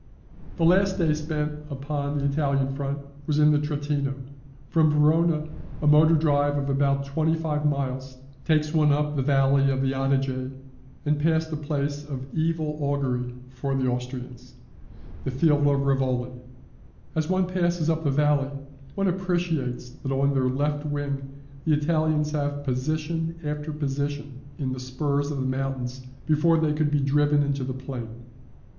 The last day spent upon the Italian front was in the Trentino. From Verona a motor drive of about twenty five miles takes one up the valley of the Adige, and past a place of evil augury for the Austrians, the field of Rivoli. As one passes up the valley one appreciates that on their left wing the Italians have position after position in the spurs of the mountains before they could be driven into the plain.